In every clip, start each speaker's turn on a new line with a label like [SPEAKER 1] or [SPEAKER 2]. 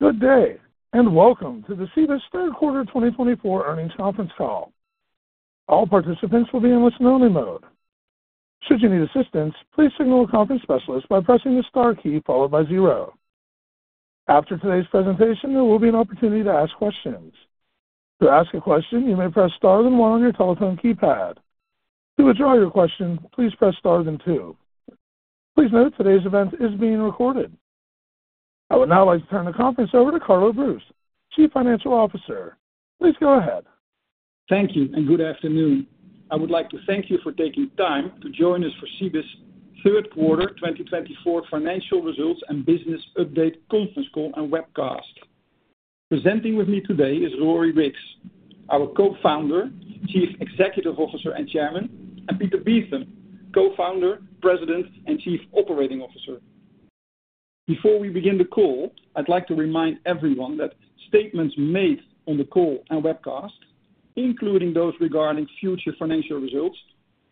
[SPEAKER 1] Good day, and welcome to the Cibus Third Quarter 2024 earnings conference call. All participants will be in listen-only mode. Should you need assistance, please signal a conference specialist by pressing the star key followed by zero. After today's presentation, there will be an opportunity to ask questions. To ask a question, you may press star and one on your telephone keypad. To withdraw your question, please press star and two. Please note today's event is being recorded. I would now like to turn the conference over to Carlo Broos, Chief Financial Officer. Please go ahead.
[SPEAKER 2] Thank you, and good afternoon. I would like to thank you for taking time to join us for Cibus Third Quarter 2024 financial results and business update conference call and webcast. Presenting with me today is Rory Riggs, our co-founder, Chief Executive Officer and Chairman, and Peter Beetham, co-founder, President, and Chief Operating Officer. Before we begin the call, I'd like to remind everyone that statements made on the call and webcast, including those regarding future financial results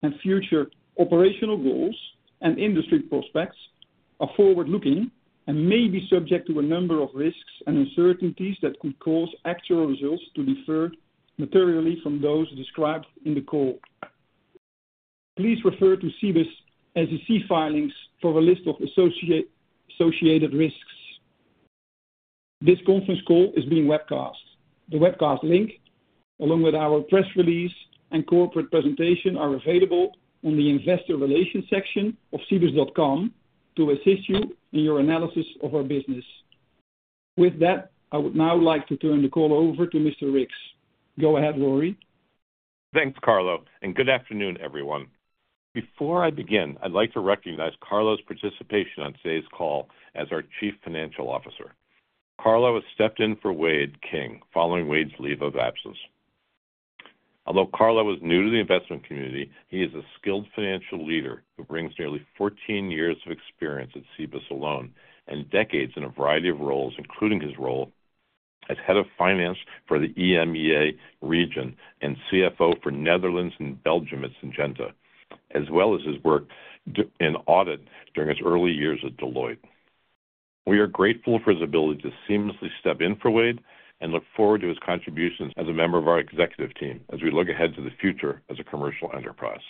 [SPEAKER 2] and future operational goals and industry prospects, are forward-looking and may be subject to a number of risks and uncertainties that could cause actual results to differ materially from those described in the call. Please refer to Cibus SEC filings for a list of associated risks. This conference call is being webcast. The webcast link, along with our press release and corporate presentation, are available on the investor relations section of Cibus.com to assist you in your analysis of our business. With that, I would now like to turn the call over to Mr. Riggs. Go ahead, Rory.
[SPEAKER 3] Thanks, Carlo, and good afternoon, everyone. Before I begin, I'd like to recognize Carlo's participation on today's call as our Chief Financial Officer. Carlo has stepped in for Wade King, following Wade's leave of absence. Although Carlo is new to the investment community, he is a skilled financial leader who brings nearly 14 years of experience at Cibus alone and decades in a variety of roles, including his role as head of finance for the EMEA region and CFO for Netherlands and Belgium at Syngenta, as well as his work in audit during his early years at Deloitte. We are grateful for his ability to seamlessly step in for Wade and look forward to his contributions as a member of our executive team as we look ahead to the future as a commercial enterprise.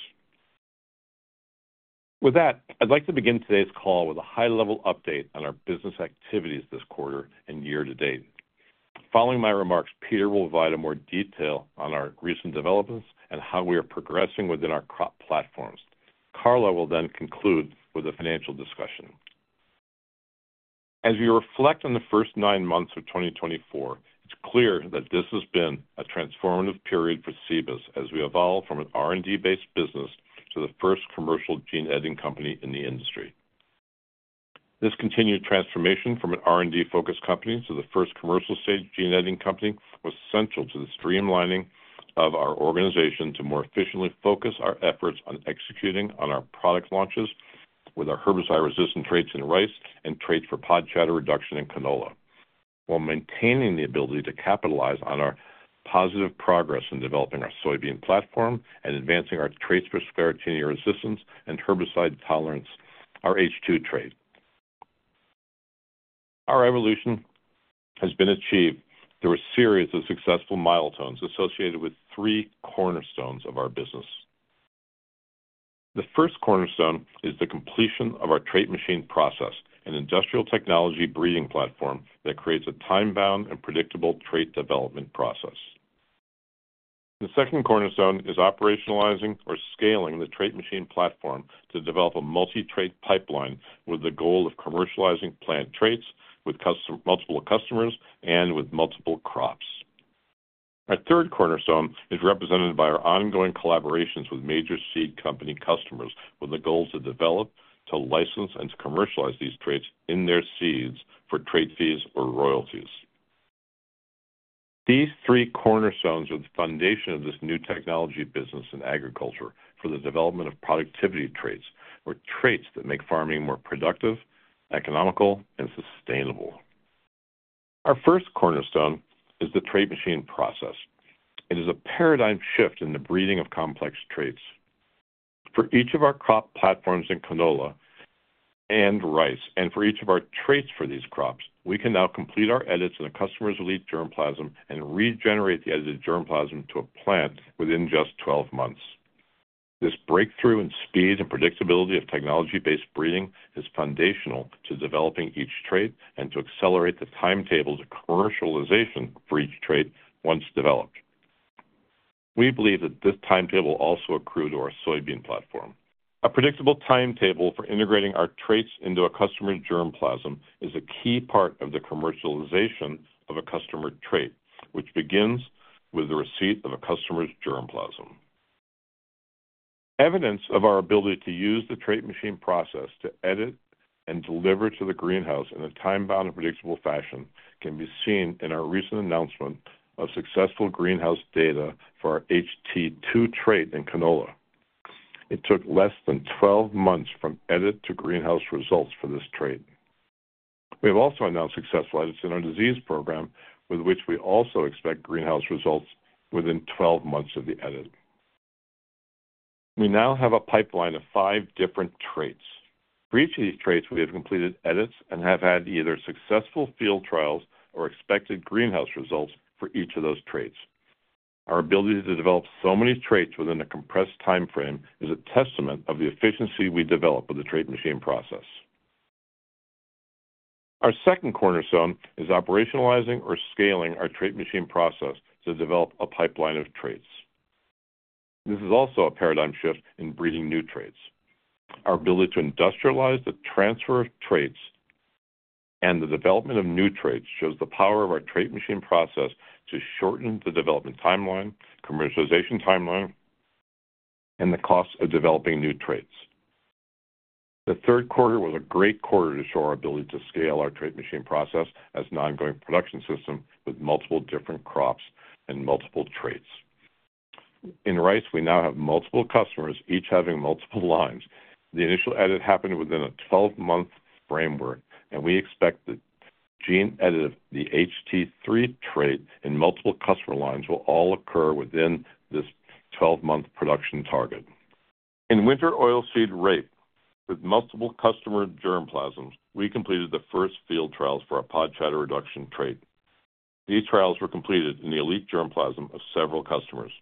[SPEAKER 3] With that, I'd like to begin today's call with a high-level update on our business activities this quarter and year to date. Following my remarks, Peter will provide more detail on our recent developments and how we are progressing within our crop platforms. Carlo will then conclude with a financial discussion. As we reflect on the first nine months of 2024, it's clear that this has been a transformative period for Cibus as we evolve from an R&D-based business to the first commercial gene editing company in the industry. This continued transformation from an R&D-focused company to the first commercial stage gene editing company was essential to the streamlining of our organization to more efficiently focus our efforts on executing on our product launches with our herbicide-resistant traits in rice and traits for pod shatter reduction in canola, while maintaining the ability to capitalize on our positive progress in developing our soybean platform and advancing our traits for sclerotinia resistance and herbicide tolerance, our HT2 trait. Our evolution has been achieved through a series of successful milestones associated with three cornerstones of our business. The first cornerstone is the completion of our Trait Machine process, an industrial technology breeding platform that creates a time-bound and predictable trait development process. The second cornerstone is operationalizing or scaling the Trait Machine platform to develop a multi-trait pipeline with the goal of commercializing plant traits with multiple customers and with multiple crops. Our third cornerstone is represented by our ongoing collaborations with major seed company customers with the goals to develop, to license, and to commercialize these traits in their seeds for trait fees or royalties. These three cornerstones are the foundation of this new technology business in agriculture for the development of productivity traits, or traits that make farming more productive, economical, and sustainable. Our first cornerstone is the trait machine process. It is a paradigm shift in the breeding of complex traits. For each of our crop platforms in canola and rice, and for each of our traits for these crops, we can now complete our edits in a customer's elite germplasm and regenerate the edited germplasm to a plant within just 12 months. This breakthrough in speed and predictability of technology-based breeding is foundational to developing each trait and to accelerate the timetable to commercialization for each trait once developed. We believe that this timetable also accrues to our soybean platform. A predictable timetable for integrating our traits into a customer's germplasm is a key part of the commercialization of a customer trait, which begins with the receipt of a customer's germplasm. Evidence of our ability to use the trait machine process to edit and deliver to the greenhouse in a time-bound and predictable fashion can be seen in our recent announcement of successful greenhouse data for our HT2 trait in canola. It took less than 12 months from edit to greenhouse results for this trait. We have also announced successful edits in our disease program, with which we also expect greenhouse results within 12 months of the edit. We now have a pipeline of five different traits. For each of these traits, we have completed edits and have had either successful field trials or expected greenhouse results for each of those traits. Our ability to develop so many traits within a compressed timeframe is a testament of the efficiency we develop with the Trait Machine process. Our second cornerstone is operationalizing or scaling our Trait Machine process to develop a pipeline of traits. This is also a paradigm shift in breeding new traits. Our ability to industrialize the transfer of traits and the development of new traits shows the power of our Trait Machine process to shorten the development timeline, commercialization timeline, and the cost of developing new traits. The third quarter was a great quarter to show our ability to scale our Trait Machine process as an ongoing production system with multiple different crops and multiple traits. In rice, we now have multiple customers, each having multiple lines. The initial edit happened within a 12-month framework, and we expect the gene edit of the HT3 trait in multiple customer lines will all occur within this 12-month production target. In winter oilseed rape, with multiple customer germplasms, we completed the first field trials for a pod shatter reduction trait. These trials were completed in the elite germplasm of several customers.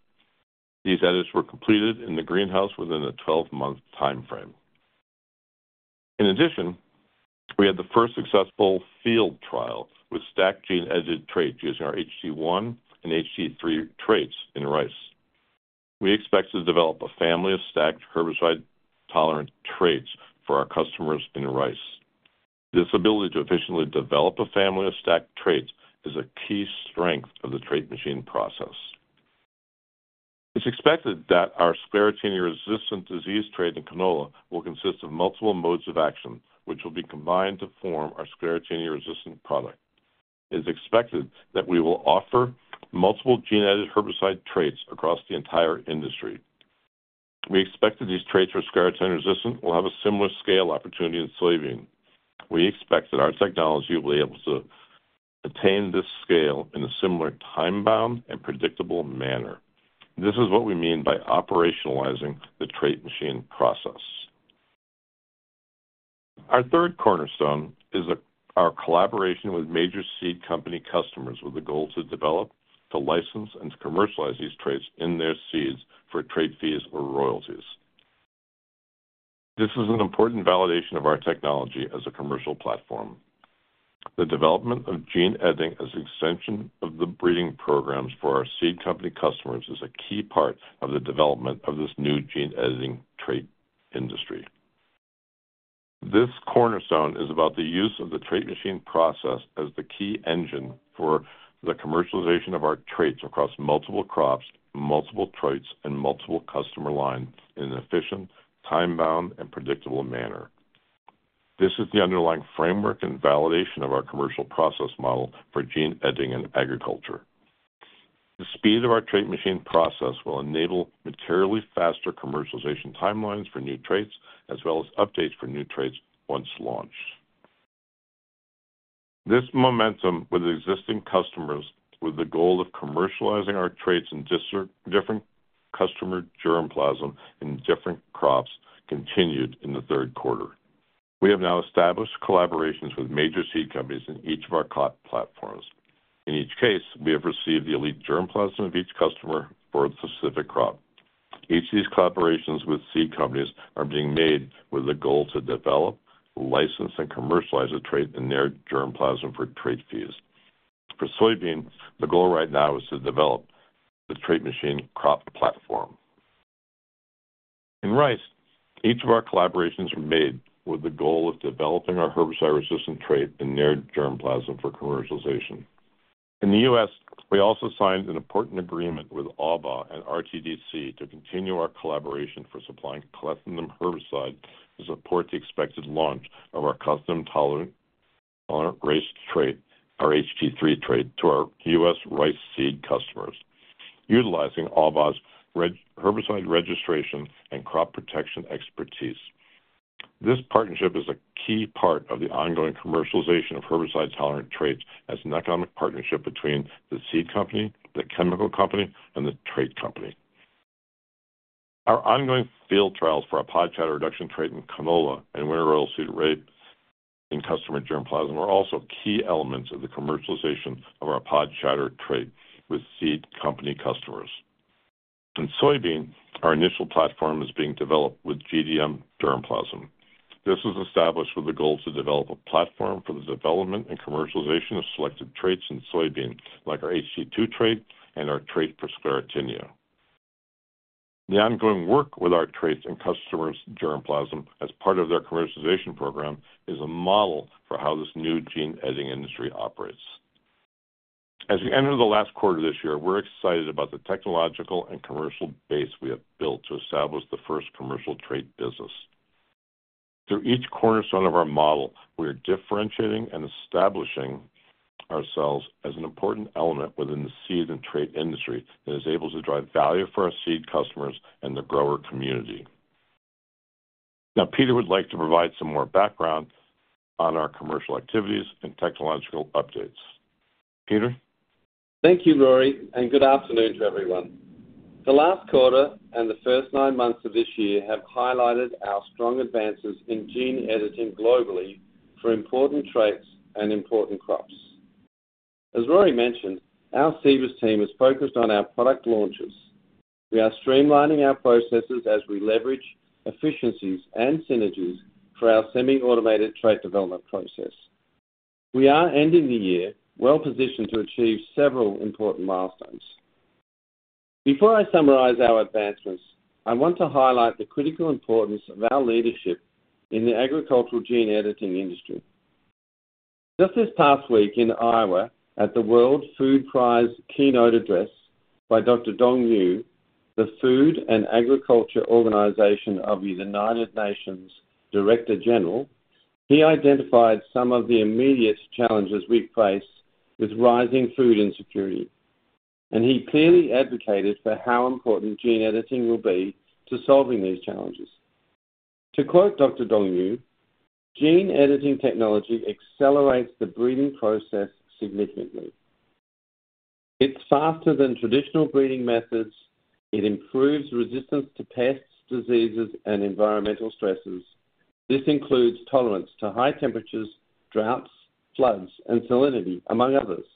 [SPEAKER 3] These edits were completed in the greenhouse within a 12-month timeframe. In addition, we had the first successful field trial with stacked gene-edited traits using our HT1 and HT3 traits in rice. We expect to develop a family of stacked herbicide-tolerant traits for our customers in rice. This ability to efficiently develop a family of stacked traits is a key strength of the Trait Machine process. It's expected that our sclerotinia-resistant disease trait in canola will consist of multiple modes of action, which will be combined to form our sclerotinia-resistant product. It's expected that we will offer multiple gene-edited herbicide traits across the entire industry. We expect that these traits for sclerotinia resistance will have a similar scale opportunity in soybean. We expect that our technology will be able to attain this scale in a similar time-bound and predictable manner. This is what we mean by operationalizing the Trait Machine process. Our third cornerstone is our collaboration with major seed company customers with the goal to develop, to license, and to commercialize these traits in their seeds for trait fees or royalties. This is an important validation of our technology as a commercial platform. The development of gene editing as an extension of the breeding programs for our seed company customers is a key part of the development of this new gene-editing trait industry. This cornerstone is about the use of the Trait Machine process as the key engine for the commercialization of our traits across multiple crops, multiple traits, and multiple customer lines in an efficient, time-bound, and predictable manner. This is the underlying framework and validation of our commercial process model for gene editing in agriculture. The speed of our Trait Machine process will enable materially faster commercialization timelines for new traits, as well as updates for new traits once launched. This momentum with existing customers, with the goal of commercializing our traits in different customer germplasm in different crops, continued in the third quarter. We have now established collaborations with major seed companies in each of our crop platforms. In each case, we have received the elite germplasm of each customer for the specific crop. Each of these collaborations with seed companies are being made with the goal to develop, license, and commercialize a trait in their germplasm for trait fees. For soybean, the goal right now is to develop the Trait Machine crop platform. In rice, each of our collaborations are made with the goal of developing our herbicide-resistant trait in their germplasm for commercialization. In the U.S., we also signed an important agreement with Albaugh and RTGB to continue our collaboration for supplying clethodim herbicide to support the expected launch of our clethodim-tolerant rice trait, our HT3 trait, to our U.S. rice seed customers, utilizing Albaugh's herbicide registration and crop protection expertise. This partnership is a key part of the ongoing commercialization of herbicide-tolerant traits as an economic partnership between the seed company, the chemical company, and the trait company. Our ongoing field trials for a pod shatter reduction trait in canola and winter oilseed rape in customer germplasm are also key elements of the commercialization of our pod shatter trait with seed company customers. In soybean, our initial platform is being developed with GDM germplasm. This was established with the goal to develop a platform for the development and commercialization of selected traits in soybean, like our HT2 trait and our trait for sclerotinia. The ongoing work with our traits and customers' germplasm as part of their commercialization program is a model for how this new gene editing industry operates. As we enter the last quarter of this year, we're excited about the technological and commercial base we have built to establish the first commercial trait business. Through each cornerstone of our model, we are differentiating and establishing ourselves as an important element within the seed and trait industry that is able to drive value for our seed customers and the grower community. Now, Peter would like to provide some more background on our commercial activities and technological updates. Peter.
[SPEAKER 4] Thank you, Rory, and good afternoon to everyone. The last quarter and the first nine months of this year have highlighted our strong advances in gene editing globally for important traits and important crops. As Rory mentioned, our Cibus team is focused on our product launches. We are streamlining our processes as we leverage efficiencies and synergies for our semi-automated trait development process. We are ending the year well-positioned to achieve several important milestones. Before I summarize our advancements, I want to highlight the critical importance of our leadership in the agricultural gene editing industry. Just this past week in Iowa, at the World Food Prize keynote address by Dr. Dongyu of the Food and Agriculture Organization of the United Nations Director-General, he identified some of the immediate challenges we face with rising food insecurity, and he clearly advocated for how important gene editing will be to solving these challenges. To quote Dr. Dongyu, "Gene editing technology accelerates the breeding process significantly. It's faster than traditional breeding methods. It improves resistance to pests, diseases, and environmental stresses. This includes tolerance to high temperatures, droughts, floods, and salinity, among others."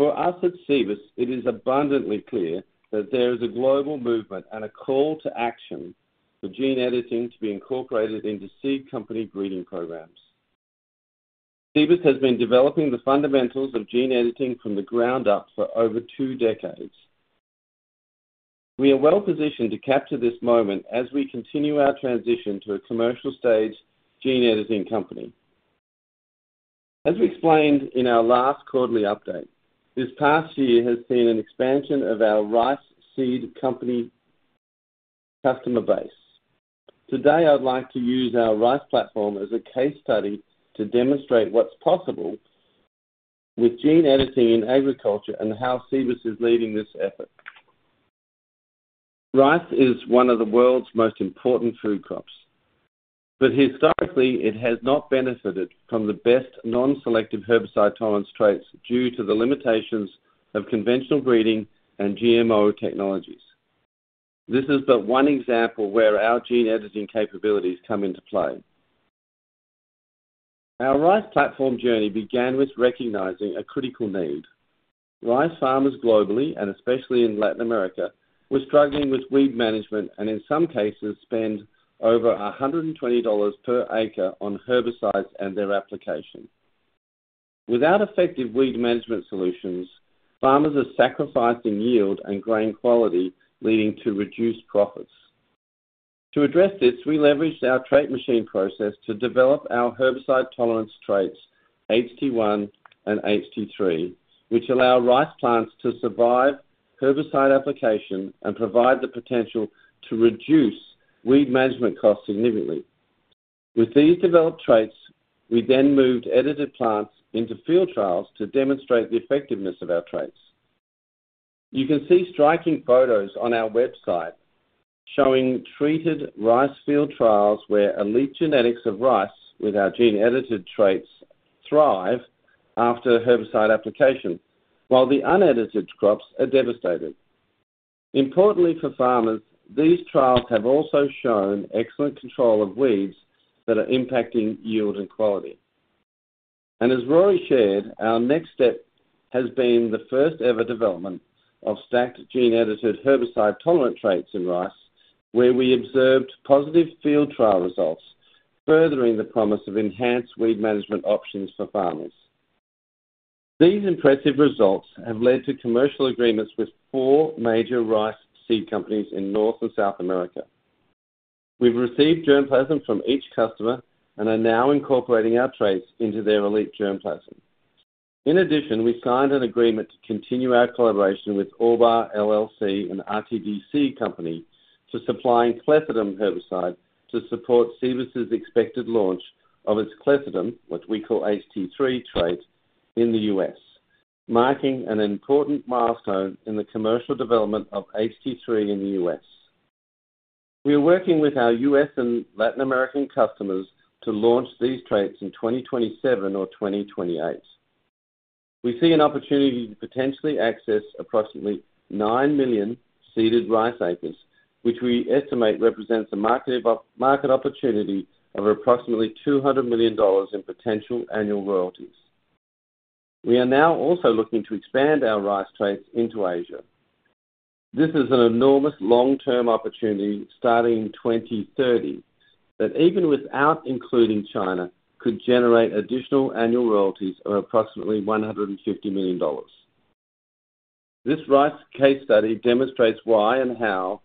[SPEAKER 4] For us at Cibus, it is abundantly clear that there is a global movement and a call to action for gene editing to be incorporated into seed company breeding programs. Cibus has been developing the fundamentals of gene editing from the ground up for over two decades. We are well-positioned to capture this moment as we continue our transition to a commercial-stage gene editing company. As we explained in our last quarterly update, this past year has seen an expansion of our rice seed company customer base. Today, I'd like to use our rice platform as a case study to demonstrate what's possible with gene editing in agriculture and how Cibus is leading this effort. Rice is one of the world's most important food crops, but historically, it has not benefited from the best non-selective herbicide-tolerance traits due to the limitations of conventional breeding and GMO technologies. This is but one example where our gene editing capabilities come into play. Our rice platform journey began with recognizing a critical need. Rice farmers globally, and especially in Latin America, were struggling with weed management and, in some cases, spend over $120 per acre on herbicides and their application. Without effective weed management solutions, farmers are sacrificing yield and grain quality, leading to reduced profits. To address this, we leveraged our Trait Machine process to develop our herbicide-tolerance traits, HT1 and HT3, which allow rice plants to survive herbicide application and provide the potential to reduce weed management costs significantly. With these developed traits, we then moved edited plants into field trials to demonstrate the effectiveness of our traits. You can see striking photos on our website showing treated rice field trials where elite genetics of rice with our gene-edited traits thrive after herbicide application, while the unedited crops are devastated. Importantly for farmers, these trials have also shown excellent control of weeds that are impacting yield and quality, and as Rory shared, our next step has been the first-ever development of stacked gene-edited herbicide-tolerant traits in rice, where we observed positive field trial results, furthering the promise of enhanced weed management options for farmers. These impressive results have led to commercial agreements with four major rice seed companies in North and South America. We've received germplasm from each customer and are now incorporating our traits into their elite germplasm. In addition, we signed an agreement to continue our collaboration with Albaugh, LLC and RTGB Corporation Limited for supplying clethodim herbicide to support Cibus's expected launch of its clethodim, what we call HT3 trait, in the U.S., marking an important milestone in the commercial development of HT3 in the U.S. We are working with our U.S. and Latin American customers to launch these traits in 2027 or 2028. We see an opportunity to potentially access approximately nine million seeded rice acres, which we estimate represents a market opportunity of approximately $200 million in potential annual royalties. We are now also looking to expand our rice traits into Asia. This is an enormous long-term opportunity starting in 2030 that, even without including China, could generate additional annual royalties of approximately $150 million. This rice case study demonstrates why and how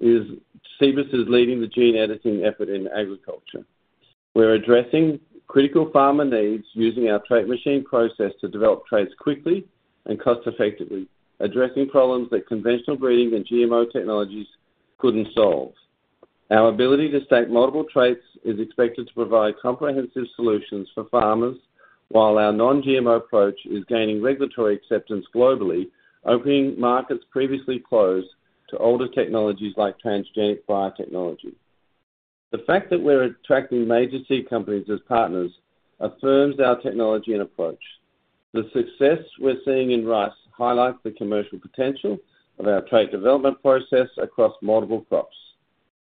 [SPEAKER 4] Cibus is leading the gene editing effort in agriculture. We're addressing critical farmer needs using our trait machine process to develop traits quickly and cost-effectively, addressing problems that conventional breeding and GMO technologies couldn't solve. Our ability to stack multiple traits is expected to provide comprehensive solutions for farmers, while our non-GMO approach is gaining regulatory acceptance globally, opening markets previously closed to older technologies like transgenic biotechnology. The fact that we're attracting major seed companies as partners affirms our technology and approach. The success we're seeing in rice highlights the commercial potential of our trait development process across multiple crops.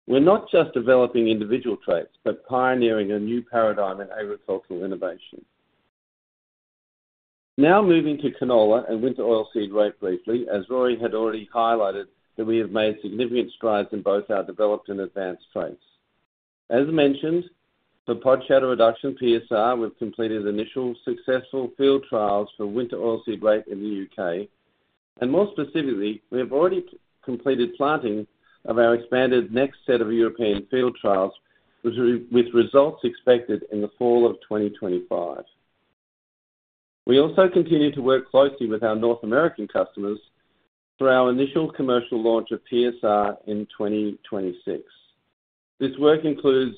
[SPEAKER 4] We're not just developing individual traits, but pioneering a new paradigm in agricultural innovation. Now moving to canola and winter oilseed rape briefly, as Rory had already highlighted, we have made significant strides in both our developed and advanced traits. As mentioned, for pod shatter reduction PSR, we've completed initial successful field trials for winter oilseed rape in the U.K., and more specifically, we have already completed planting of our expanded next set of European field trials, with results expected in the fall of 2025. We also continue to work closely with our North American customers for our initial commercial launch of PSR in 2026. This work includes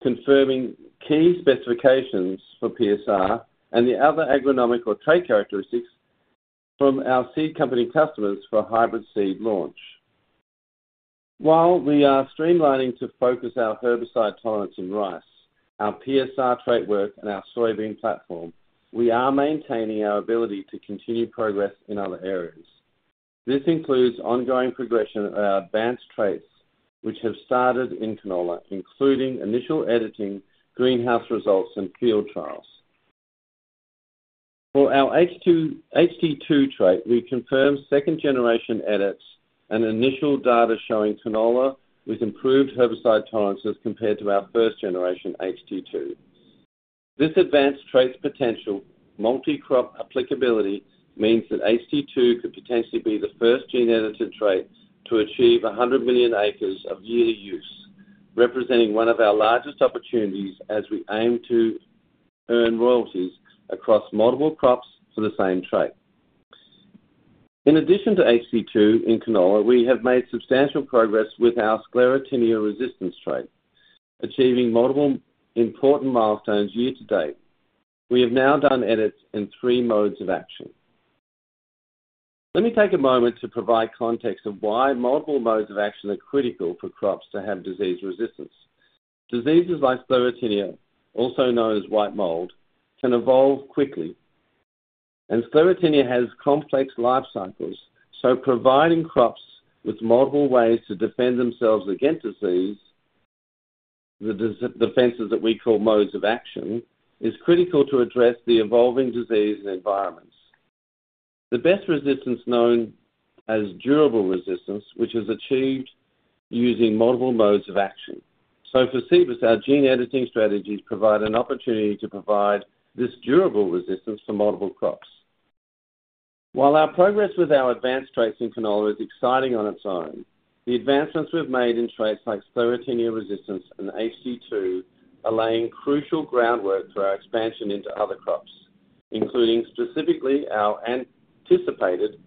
[SPEAKER 4] confirming key specifications for PSR and the other agronomic or trait characteristics from our seed company customers for hybrid seed launch. While we are streamlining to focus our herbicide tolerance in rice, our PSR trait work, and our soybean platform, we are maintaining our ability to continue progress in other areas. This includes ongoing progression of our advanced traits, which have started in canola, including initial editing, greenhouse results, and field trials. For our HT2 trait, we confirmed second-generation edits and initial data showing canola with improved herbicide tolerances compared to our first-generation HT2. This advanced trait's potential multi-crop applicability means that HT2 could potentially be the first gene-edited trait to achieve 100 million acres of yearly use, representing one of our largest opportunities as we aim to earn royalties across multiple crops for the same trait. In addition to HT2 in canola, we have made substantial progress with our sclerotinia resistance trait, achieving multiple important milestones year to date. We have now done edits in three modes of action. Let me take a moment to provide context of why multiple modes of action are critical for crops to have disease resistance. Diseases like sclerotinia, also known as white mold, can evolve quickly, and sclerotinia has complex life cycles. So providing crops with multiple ways to defend themselves against disease, the defenses that we call modes of action, is critical to address the evolving disease and environments. The best resistance known as durable resistance, which is achieved using multiple modes of action. So for Cibus, our gene editing strategies provide an opportunity to provide this durable resistance for multiple crops. While our progress with our advanced traits in canola is exciting on its own, the advancements we've made in traits like sclerotinia resistance and HT2 are laying crucial groundwork for our expansion into other crops, including specifically our anticipated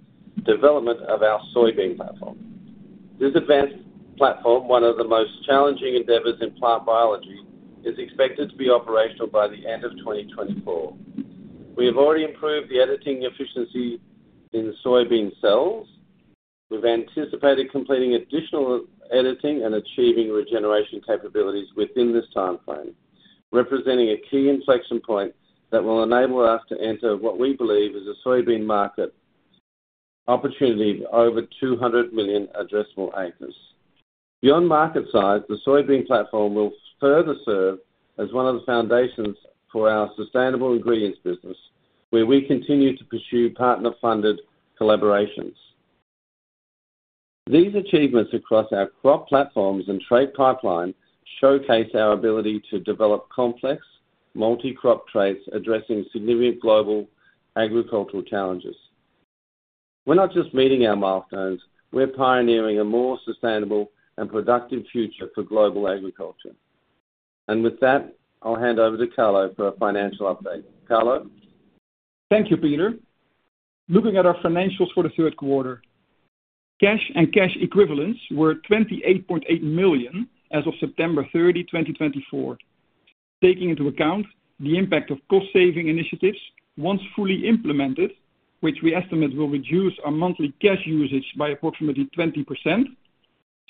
[SPEAKER 4] development of our soybean platform. This advanced platform, one of the most challenging endeavors in plant biology, is expected to be operational by the end of 2024. We have already improved the editing efficiency in soybean cells. We've anticipated completing additional editing and achieving regeneration capabilities within this timeframe, representing a key inflection point that will enable us to enter what we believe is a soybean market opportunity of over 200 million addressable acres. Beyond market size, the soybean platform will further serve as one of the foundations for our sustainable ingredients business, where we continue to pursue partner-funded collaborations. These achievements across our crop platforms and trait pipeline showcase our ability to develop complex multi-crop traits addressing significant global agricultural challenges. We're not just meeting our milestones. We're pioneering a more sustainable and productive future for global agriculture. And with that, I'll hand over to Carlo for a financial update. Carlo?
[SPEAKER 2] Thank you, Peter. Looking at our financials for the third quarter, cash and cash equivalents were $28.8 million as of September 30, 2024. Taking into account the impact of cost-saving initiatives once fully implemented, which we estimate will reduce our monthly cash usage by approximately 20%,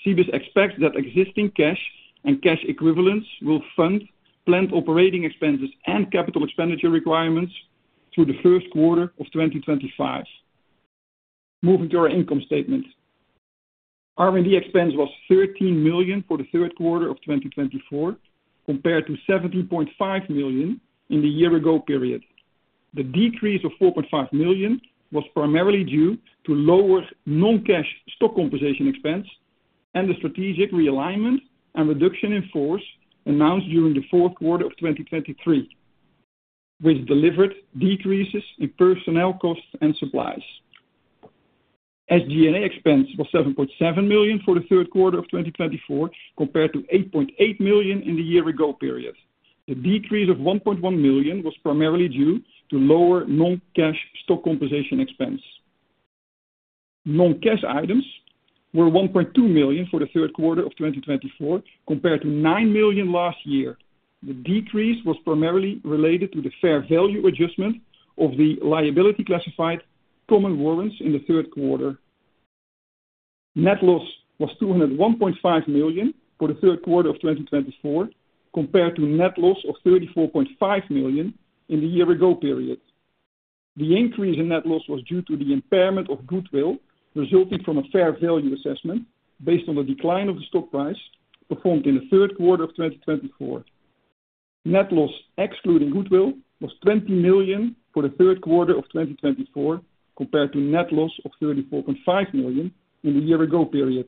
[SPEAKER 2] Cibus expects that existing cash and cash equivalents will fund plant operating expenses and capital expenditure requirements through the first quarter of 2025. Moving to our income statement, R&D expense was $13 million for the third quarter of 2024, compared to $17.5 million in the year-ago period. The decrease of $4.5 million was primarily due to lower non-cash stock compensation expense and the strategic realignment and reduction in force announced during the fourth quarter of 2023, which delivered decreases in personnel costs and supplies. SG&A expense was $7.7 million for the third quarter of 2024, compared to $8.8 million in the year-ago period. The decrease of $1.1 million was primarily due to lower non-cash stock compensation expense. Non-cash items were $1.2 million for the third quarter of 2024, compared to $9 million last year. The decrease was primarily related to the fair value adjustment of the liability classified common warrants in the third quarter. Net loss was $201.5 million for the third quarter of 2024, compared to net loss of $34.5 million in the year-ago period. The increase in net loss was due to the impairment of goodwill resulting from a fair value assessment based on the decline of the stock price performed in the third quarter of 2024. Net loss excluding goodwill was $20 million for the third quarter of 2024, compared to net loss of $34.5 million in the year-ago period,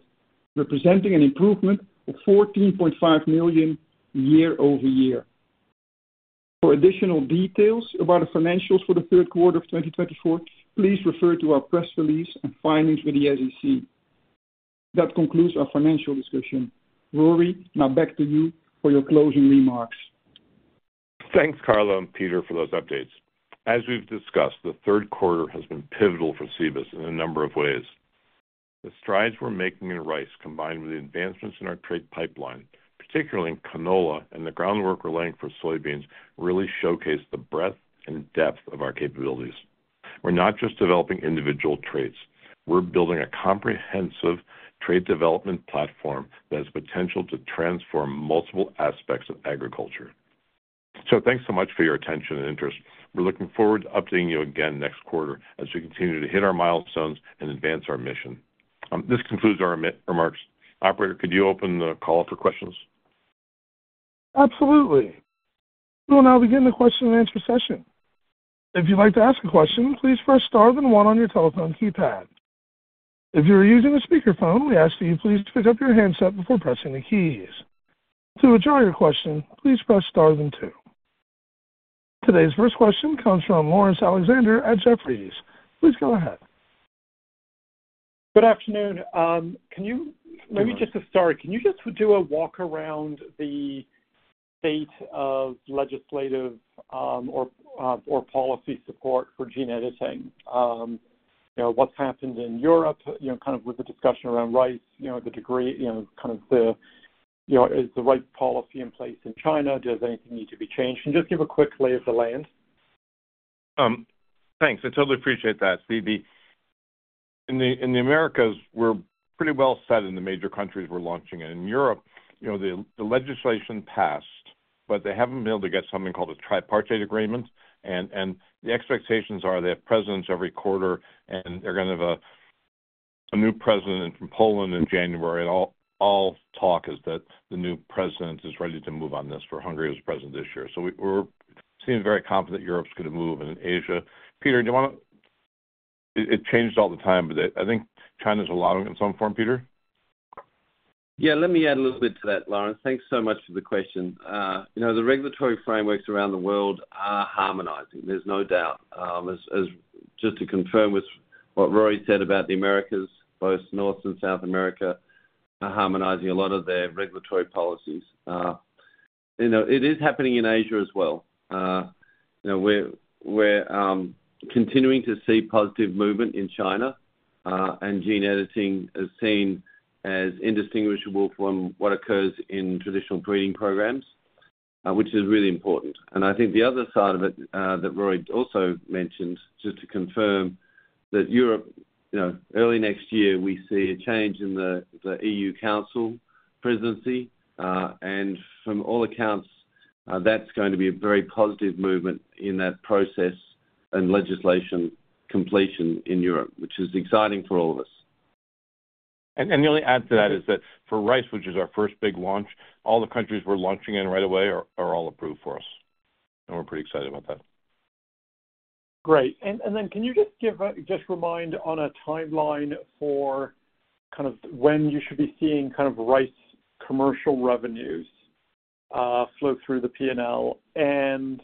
[SPEAKER 2] representing an improvement of $14.5 million year-over-year. For additional details about the financials for the third quarter of 2024, please refer to our press release and filings with the SEC. That concludes our financial discussion. Rory, now back to you for your closing remarks.
[SPEAKER 3] Thanks, Carlo and Peter, for those updates. As we've discussed, the third quarter has been pivotal for Cibus in a number of ways. The strides we're making in rice, combined with the advancements in our trait pipeline, particularly in canola and the groundwork we're laying for soybeans, really showcase the breadth and depth of our capabilities. We're not just developing individual traits. We're building a comprehensive trait development platform that has the potential to transform multiple aspects of agriculture. So thanks so much for your attention and interest. We're looking forward to updating you again next quarter as we continue to hit our milestones and advance our mission. This concludes our remarks. Operator, could you open the call for questions?
[SPEAKER 1] Absolutely. We'll now begin the question-and-answer session. If you'd like to ask a question, please press star then one on your telephone keypad. If you're using a speakerphone, we ask that you please pick up your handset before pressing the keys. To withdraw your question, please press star then two. Today's first question comes from Lawrence Alexander at Jefferies. Please go ahead.
[SPEAKER 5] Good afternoon. Can you, maybe just to start, can you just do a walk around the state of legislative or policy support for gene editing? What's happened in Europe, kind of with the discussion around rice, the degree kind of the, is the right policy in place in China? Does anything need to be changed? And just give a quick lay of the land.
[SPEAKER 3] Thanks. I totally appreciate that, Stevie. In the Americas, we're pretty well set in the major countries we're launching it. In Europe, the legislation passed, but they haven't been able to get something called a tripartite agreement. The expectations are they have presidents every quarter, and they're going to have a new president from Poland in January. And all talk is that the new president is ready to move on this for Hungary as president this year. So we're seeming very confident that Europe's going to move. In Asia. Peter, do you want to? It changes all the time, but I think China's allowing it in some form, Peter?
[SPEAKER 4] Yeah, let me add a little bit to that, Lawrence. Thanks so much for the question. The regulatory frameworks around the world are harmonizing. There's no doubt. Just to confirm with what Rory said about the Americas, both North and South America are harmonizing a lot of their regulatory policies. It is happening in Asia as well. We're continuing to see positive movement in China, and gene editing is seen as indistinguishable from what occurs in traditional breeding programs, which is really important. And I think the other side of it that Rory also mentioned, just to confirm that Europe, early next year, we see a change in the EU Council presidency. And from all accounts, that's going to be a very positive movement in that process and legislation completion in Europe, which is exciting for all of us.
[SPEAKER 3] And the only add to that is that for rice, which is our first big launch, all the countries we're launching in right away are all approved for us. And we're pretty excited about that.
[SPEAKER 5] Great. And then can you just remind on a timeline for kind of when you should be seeing kind of rice commercial revenues flow through the P&L? And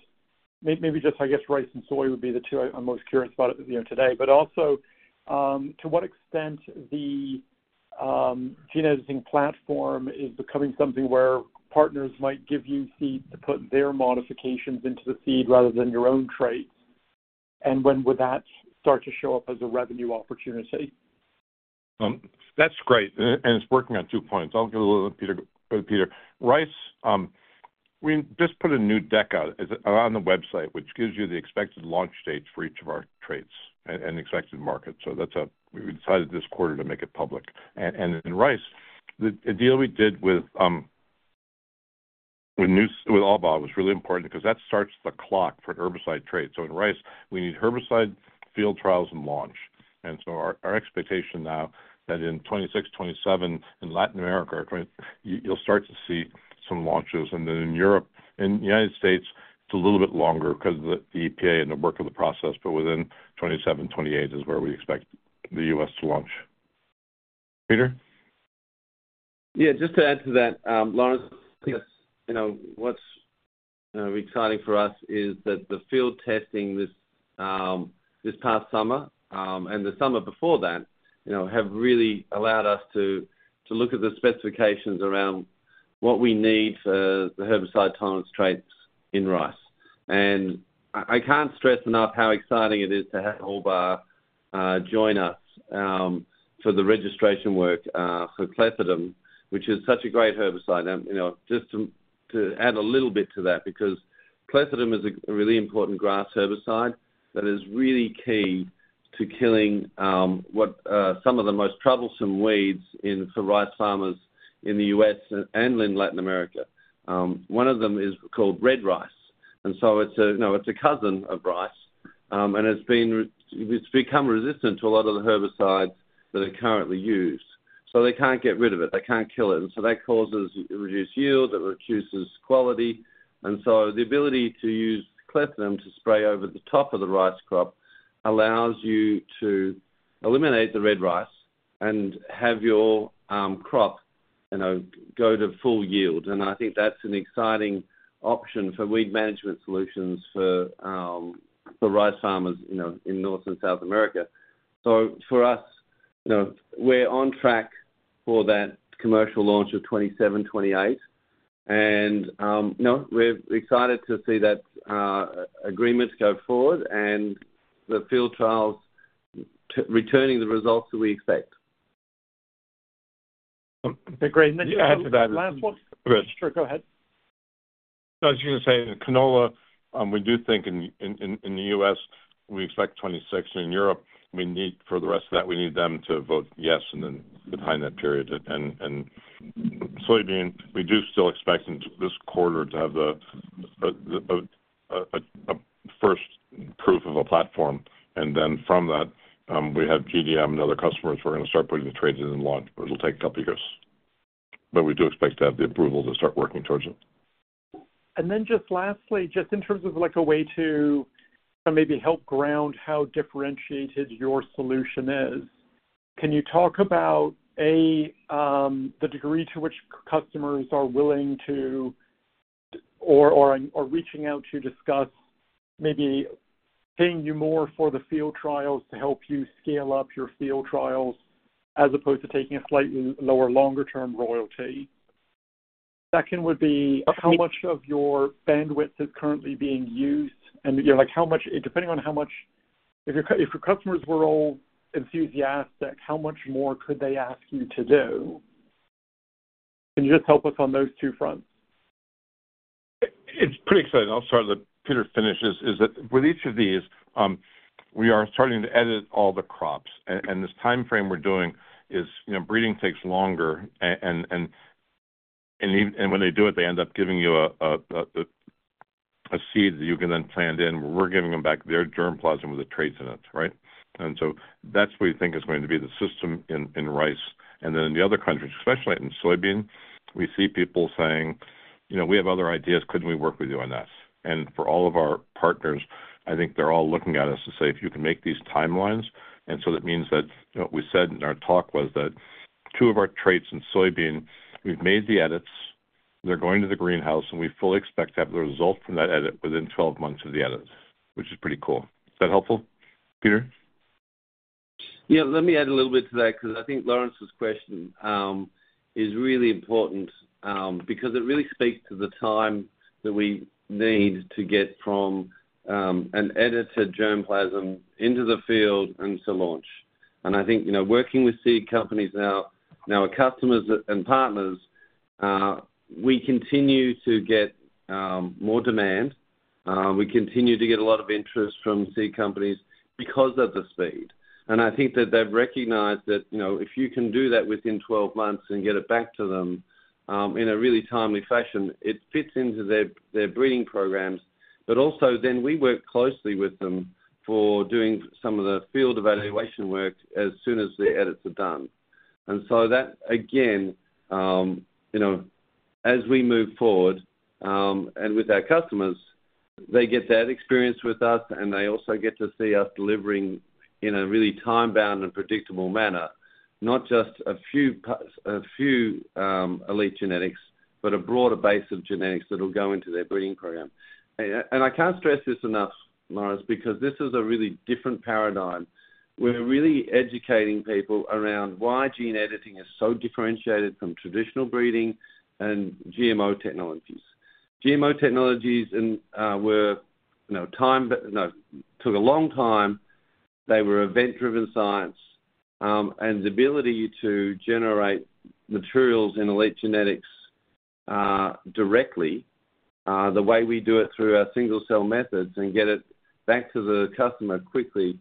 [SPEAKER 5] maybe just, I guess, rice and soy would be the two I'm most curious about today. But also, to what extent the gene editing platform is becoming something where partners might give you seed to put their modifications into the seed rather than your own traits? And when would that start to show up as a revenue opportunity?
[SPEAKER 3] That's great. And it's working on two points. I'll give a little bit, Peter. Rice, we just put a new deck out on the website, which gives you the expected launch dates for each of our traits and expected markets. So we decided this quarter to make it public. And in rice, the deal we did with Albaugh was really important because that starts the clock for herbicide traits. So in rice, we need herbicide field trials and launch. And so our expectation now that in 2026, 2027, in Latin America, you'll start to see some launches. And then in Europe, in the United States, it's a little bit longer because of the EPA and the work of the process. But within 2027, 2028 is where we expect the U.S. to launch. Peter?
[SPEAKER 4] Yeah, just to add to that, Lawrence, what's exciting for us is that the field testing this past summer and the summer before that have really allowed us to look at the specifications around what we need for the herbicide tolerance traits in rice. And I can't stress enough how exciting it is to have Albaugh join us for the registration work for clethodim, which is such a great herbicide. Just to add a little bit to that, because clethodim is a really important grass herbicide that is really key to killing some of the most troublesome weeds for rice farmers in the U.S. and in Latin America. One of them is called red rice. And so it's a cousin of rice, and it's become resistant to a lot of the herbicides that are currently used. So they can't get rid of it. They can't kill it. And so that causes reduced yield. It reduces quality. And so the ability to use clethodim to spray over the top of the rice crop allows you to eliminate the red rice and have your crop go to full yield. And I think that's an exciting option for weed management solutions for rice farmers in North and South America. So for us, we're on track for that commercial launch of 2027-2028. And we're excited to see that agreement go forward and the field trials returning the results that we expect.
[SPEAKER 2] Okay, great. Let me add to that.
[SPEAKER 3] Last one.
[SPEAKER 2] Sure, go ahead.
[SPEAKER 3] I was just going to say, canola, we do think in the U.S., we expect 26. In Europe, we need for the rest of that, we need them to vote yes and then beyond that period. And soybean, we do still expect this quarter to have a first proof of a platform. And then from that, we have GDM and other customers who are going to start putting the traits in and launch, but it'll take a couple of years. But we do expect to have the approval to start working towards it.
[SPEAKER 5] And then, just lastly, just in terms of a way to maybe help ground how differentiated your solution is, can you talk about the degree to which customers are willing to or reaching out to discuss maybe paying you more for the field trials to help you scale up your field trials as opposed to taking a slightly lower longer-term royalty? Second would be how much of your bandwidth is currently being used? And depending on how much if your customers were all enthusiastic, how much more could they ask you to do? Can you just help us on those two fronts?
[SPEAKER 3] It's pretty exciting. I'll start with what Peter finished with. That with each of these, we are starting to edit all the crops. And this timeframe we're doing is breeding takes longer. And when they do it, they end up giving you a seed that you can then plant in. We're giving them back their germplasm with the traits in it, right? And so that's what we think is going to be the system in rice. And then in the other countries, especially in soybean, we see people saying, "We have other ideas. Couldn't we work with you on this?" And for all of our partners, I think they're all looking at us to say, "If you can make these timelines." And so that means that what we said in our talk was that two of our traits in soybean, we've made the edits, they're going to the greenhouse, and we fully expect to have the result from that edit within 12 months of the edits, which is pretty cool. Is that helpful, Peter?
[SPEAKER 4] Yeah, let me add a little bit to that because I think Lawrence's question is really important because it really speaks to the time that we need to get from an edited germplasm into the field and to launch, and I think working with seed companies now, our customers and partners, we continue to get more demand. We continue to get a lot of interest from seed companies because of the speed, and I think that they've recognized that if you can do that within 12 months and get it back to them in a really timely fashion, it fits into their breeding programs, but also then we work closely with them for doing some of the field evaluation work as soon as the edits are done. And so that, again, as we move forward and with our customers, they get that experience with us, and they also get to see us delivering in a really time-bound and predictable manner, not just a few elite genetics, but a broader base of genetics that will go into their breeding program. I can't stress this enough, Lawrence, because this is a really different paradigm. We're really educating people around why gene editing is so differentiated from traditional breeding and GMO technologies. GMO technologies were time-consuming. They took a long time. They were event-driven science. The ability to generate materials in elite genetics directly, the way we do it through our single-cell methods and get it back to the customer quickly,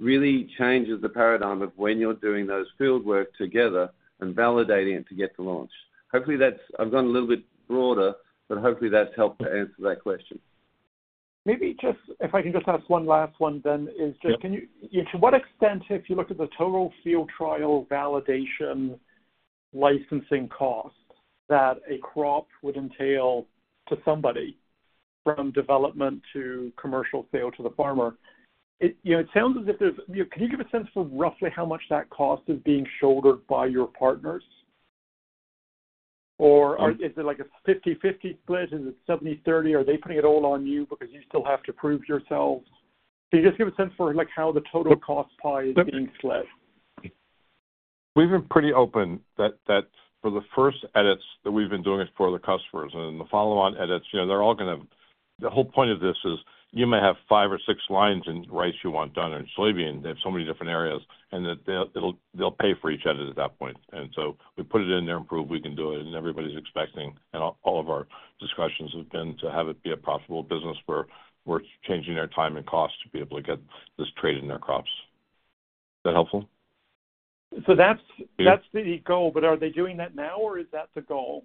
[SPEAKER 4] really changes the paradigm of when you're doing those field work together and validating it to get to launch. Hopefully, I've gone a little bit broader, but hopefully, that's helped to answer that question.
[SPEAKER 5] Maybe just if I can just ask one last one then. Is just to what extent, if you look at the total field trial validation licensing cost that a crop would entail to somebody from development to commercial sale to the farmer, it sounds as if there's. Can you give a sense for roughly how much that cost is being shouldered by your partners? Or is it like a 50/50 split? Is it 70/30? Are they putting it all on you because you still have to prove yourselves? Can you just give a sense for how the total cost pie is being split?
[SPEAKER 3] We've been pretty open that for the first edits that we've been doing it for the customers and the follow-on edits, they're all going to the whole point of this is you may have five or six lines in rice you want done in soybean. They have so many different areas, and they'll pay for each edit at that point. And so we put it in there and prove we can do it, and everybody's expecting. And all of our discussions have been to have it be a profitable business where we're changing our time and cost to be able to get this trait in their crops. Is that helpful?
[SPEAKER 5] So that's the goal, but are they doing that now, or is that the goal?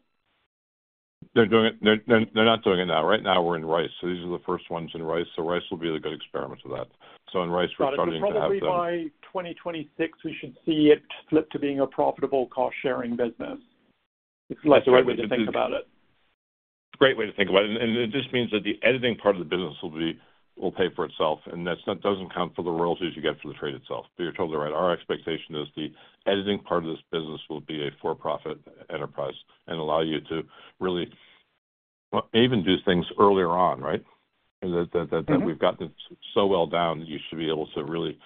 [SPEAKER 3] They're doing it. They're not doing it now. Right now, we're in rice. So these are the first ones in rice. So rice will be a good experiment for that. So in rice, we're starting to have that.
[SPEAKER 5] So I think probably by 2026, we should see it flip to being a profitable cost-sharing business. It's the right way to think about it.
[SPEAKER 3] It's a great way to think about it. And it just means that the editing part of the business will pay for itself. And that doesn't count for the royalties you get for the trait itself. But you're totally right. Our expectation is the editing part of this business will be a for-profit enterprise and allow you to really even do things earlier on, right? That we've gotten so well down that you should be able to really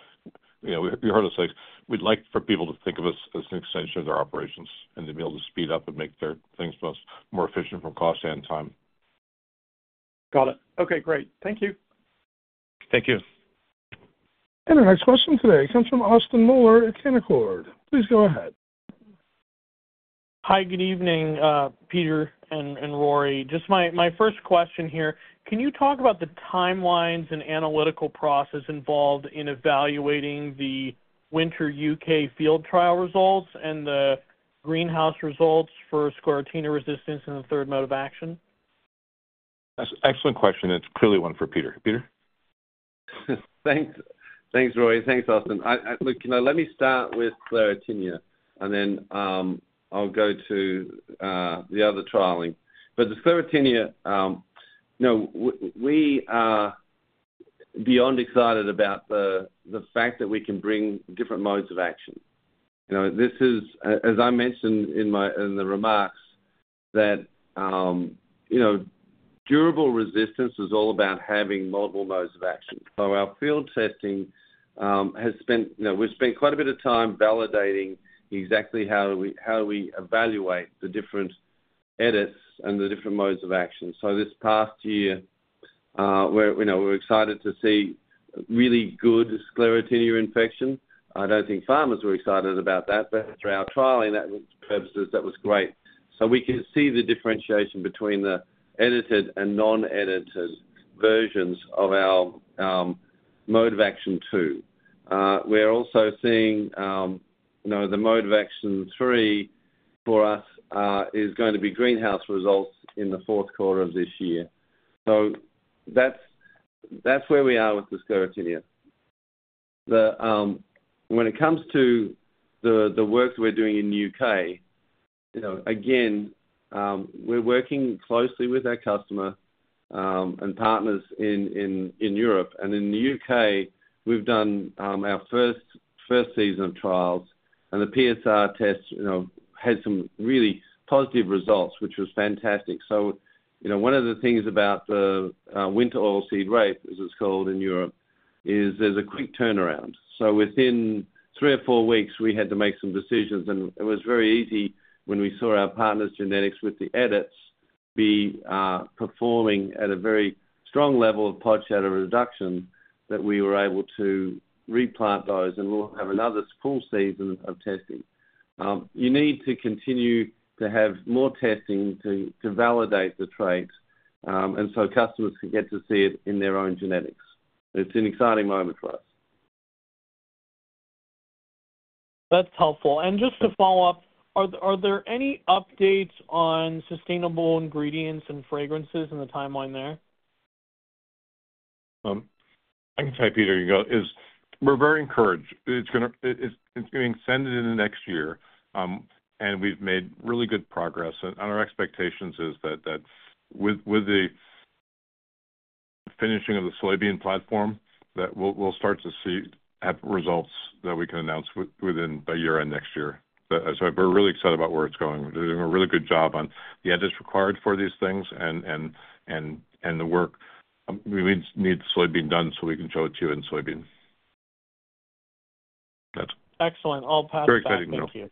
[SPEAKER 3] you heard us say we'd like for people to think of us as an extension of their operations and to be able to speed up and make their things more efficient from cost and time.
[SPEAKER 5] Got it. Okay, great. Thank you.
[SPEAKER 3] Thank you.
[SPEAKER 1] Our next question today comes from Austin Moeller at Canaccord. Please go ahead.
[SPEAKER 6] Hi, good evening, Peter and Rory. Just my first question here. Can you talk about the timelines and analytical process involved in evaluating the winter U.K. field trial results and the greenhouse results for sclerotinia resistance in the third mode of action?
[SPEAKER 3] That's an excellent question. It's clearly one for Peter. Peter?
[SPEAKER 4] Thanks, Rory. Thanks, Austin. Look, let me start with Sclerotinia, and then I'll go to the other trialing, but the Sclerotinia, we are beyond excited about the fact that we can bring different modes of action. This is, as I mentioned in the remarks, that durable resistance is all about having multiple modes of action. So our field testing, we've spent quite a bit of time validating exactly how we evaluate the different edits and the different modes of action. So this past year, we're excited to see really good Sclerotinia infection. I don't think farmers were excited about that, but through our trialing purposes, that was great. So we can see the differentiation between the edited and non-edited versions of our mode of action two. We're also seeing the mode of action three for us is going to be greenhouse results in the fourth quarter of this year, so that's where we are with the Sclerotinia. When it comes to the work that we're doing in the U.K., again, we're working closely with our customer and partners in Europe, and in the U.K., we've done our first season of trials, and the PSR test had some really positive results, which was fantastic. So one of the things about the winter oilseed rape, as it's called in Europe, is there's a quick turnaround, so within three or four weeks, we had to make some decisions, and it was very easy when we saw our partners' genetics with the edits be performing at a very strong level of pod shatter reduction that we were able to replant those, and we'll have another full season of testing. You need to continue to have more testing to validate the traits and so customers can get to see it in their own genetics. It's an exciting moment for us.
[SPEAKER 5] That's helpful. And just to follow up, are there any updates on sustainable ingredients and fragrances in the timeline there?
[SPEAKER 3] I can tell you, Peter, you go. We're very encouraged. It's getting extended into next year, and we've made really good progress, and our expectation is that with the finishing of the soybean platform, we'll start to see results that we can announce by year-end next year, so we're really excited about where it's going. We're doing a really good job on the edits required for these things and the work. We need the soybean done so we can show it to you in soybean.
[SPEAKER 5] Excellent. I'll pass it off.
[SPEAKER 3] Very exciting.
[SPEAKER 5] Thank you.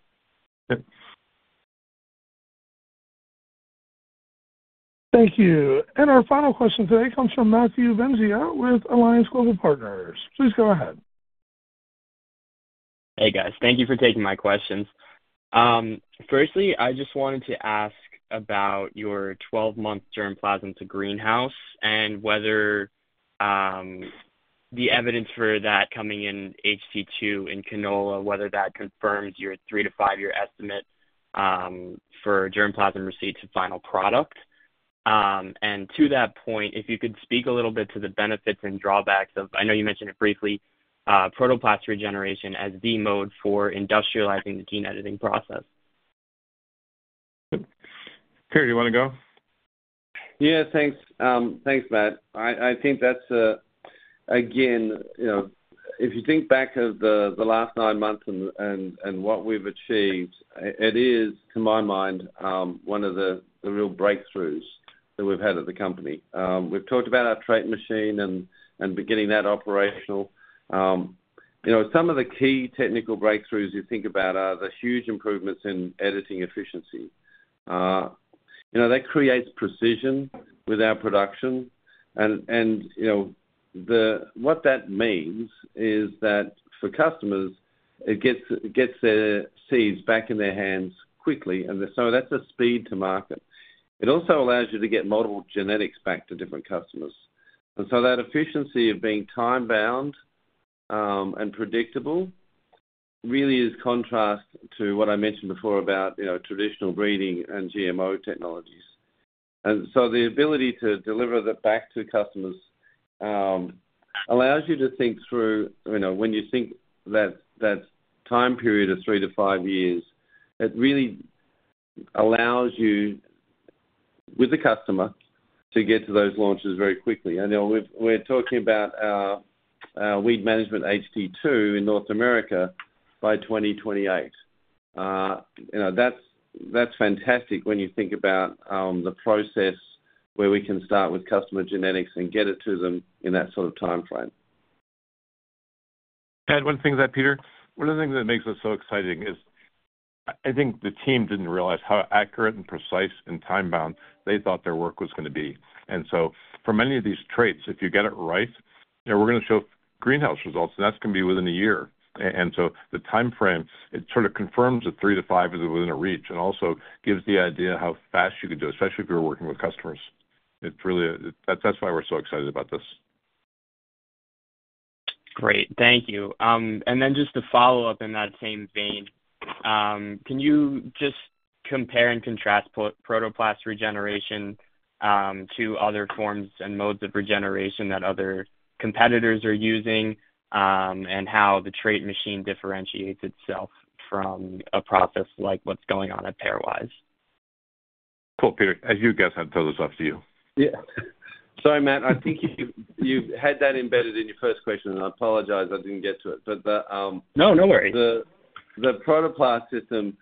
[SPEAKER 1] Thank you. And our final question today comes from Matthew Venezia with Alliance Global Partners. Please go ahead.
[SPEAKER 7] Hey, guys. Thank you for taking my questions. First, I just wanted to ask about your 12-month germplasm to greenhouse and whether the evidence for that coming in HT2 in canola, whether that confirms your three- to five-year estimate for germplasm receipts and final product. And to that point, if you could speak a little bit to the benefits and drawbacks of, I know you mentioned it briefly, protoplast regeneration as the mode for industrializing the gene editing process?
[SPEAKER 3] Peter, do you want to go?
[SPEAKER 4] Yeah, thanks. Thanks, Matt. I think that's, again, if you think back of the last nine months and what we've achieved, it is, to my mind, one of the real breakthroughs that we've had at the company. We've talked about our trait machine and getting that operational. Some of the key technical breakthroughs you think about are the huge improvements in editing efficiency. That creates precision with our production. And what that means is that for customers, it gets their seeds back in their hands quickly. And so that's a speed to market. It also allows you to get multiple genetics back to different customers. And so that efficiency of being time-bound and predictable really is contrast to what I mentioned before about traditional breeding and GMO technologies. And so the ability to deliver that back to customers allows you to think through when you think that time period of three to five years, it really allows you with the customer to get to those launches very quickly. And we're talking about our weed management HT2 in North America by 2028. That's fantastic when you think about the process where we can start with customer genetics and get it to them in that sort of timeframe.
[SPEAKER 3] Add one thing to that, Peter. One of the things that makes us so exciting is I think the team didn't realize how accurate and precise and time-bound they thought their work was going to be. And so for many of these traits, if you get it right, we're going to show greenhouse results, and that's going to be within a year. And so the timeframe, it sort of confirms that three to five is within a reach and also gives the idea of how fast you could do it, especially if you're working with customers. That's why we're so excited about this.
[SPEAKER 7] Great. Thank you. And then just to follow up in that same vein, can you just compare and contrast protoplast regeneration to other forms and modes of regeneration that other competitors are using and how the trait machine differentiates itself from a process like what's going on at Pairwise?
[SPEAKER 3] Cool, Peter. As you guys have those up to you.
[SPEAKER 4] Yeah. Sorry, Matt. I think you've had that embedded in your first question. I apologize. I didn't get to it. But.
[SPEAKER 7] No, no worries.
[SPEAKER 4] The protoplast system,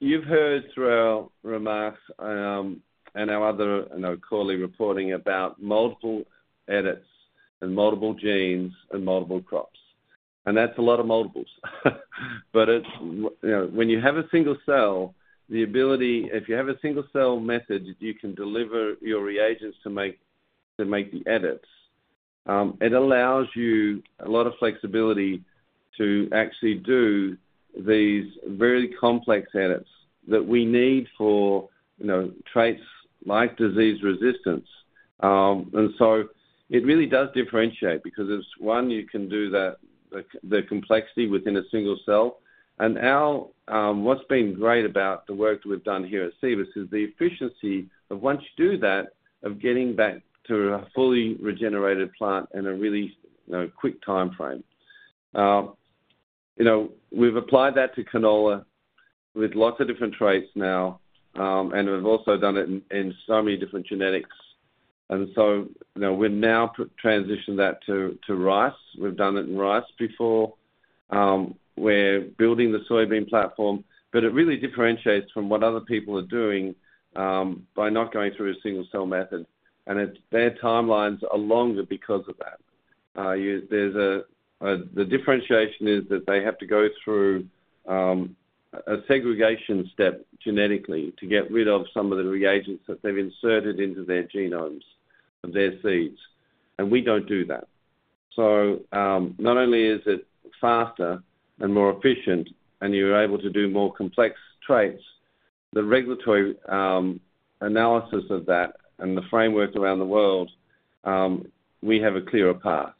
[SPEAKER 4] you've heard throughout remarks and our other quarterly reporting about multiple edits and multiple genes and multiple crops, and that's a lot of multiples. But when you have a single cell, the ability, if you have a single cell method, you can deliver your reagents to make the edits. It allows you a lot of flexibility to actually do these very complex edits that we need for traits like disease resistance. And so it really does differentiate because it's one, you can do the complexity within a single cell. And what's been great about the work that we've done here at Cibus is the efficiency, once you do that, of getting back to a fully regenerated plant in a really quick timeframe. We've applied that to canola with lots of different traits now, and we've also done it in so many different genetics. And so we've now transitioned that to rice. We've done it in rice before. We're building the soybean platform, but it really differentiates from what other people are doing by not going through a single cell method. And their timelines are longer because of that. The differentiation is that they have to go through a segregation step genetically to get rid of some of the reagents that they've inserted into their genomes of their seeds. And we don't do that. So not only is it faster and more efficient, and you're able to do more complex traits. The regulatory analysis of that and the framework around the world, we have a clearer path.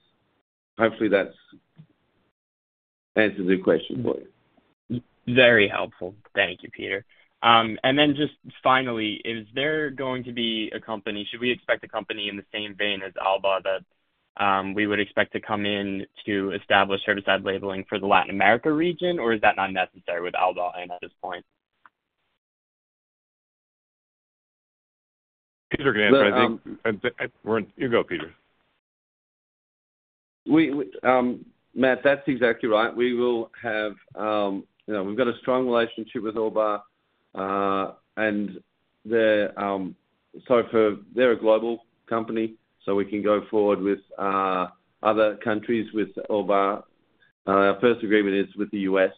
[SPEAKER 4] Hopefully, that's answered your question for you.
[SPEAKER 7] Very helpful. Thank you, Peter. And then just finally, is there going to be a company should we expect a company in the same vein as Albaugh that we would expect to come in to establish herbicide labeling for the Latin America region, or is that not necessary with Albaugh at this point?
[SPEAKER 3] Peter can answer. I think you go, Peter.
[SPEAKER 4] Matt, that's exactly right. We've got a strong relationship with Albaugh. And so they're a global company, so we can go forward with other countries with Albaugh. Our first agreement is with the U.S.,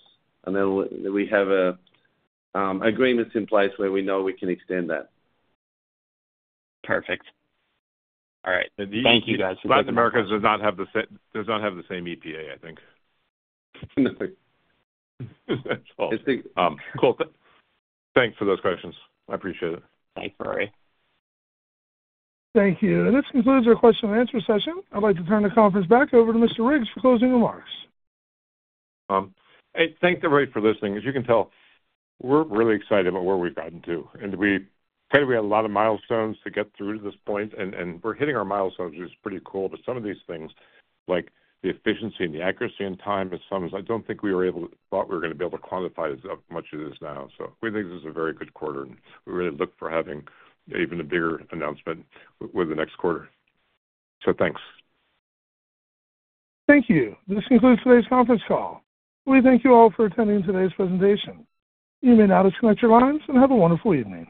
[SPEAKER 4] and we have agreements in place where we know we can extend that.
[SPEAKER 7] Perfect. All right. Thank you, guys.
[SPEAKER 3] Latin America does not have the same EPA, I think. Cool. Thanks for those questions. I appreciate it.
[SPEAKER 7] Thanks, Rory.
[SPEAKER 2] Thank you. And this concludes our question-and-answer session. I'd like to turn the conference back over to Mr. Riggs for closing remarks.
[SPEAKER 3] Hey, thanks, everybody, for listening. As you can tell, we're really excited about where we've gotten to. And we kind of had a lot of milestones to get through to this point, and we're hitting our milestones, which is pretty cool. But some of these things, like the efficiency and the accuracy in time, I don't think we thought we were going to be able to quantify as much of this now. So we think this is a very good quarter, and we really look forward to having even a bigger announcement with the next quarter. So thanks.
[SPEAKER 1] Thank you. This concludes today's conference call. We thank you all for attending today's presentation. You may now disconnect your lines and have a wonderful evening.